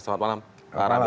selamat malam pak rambi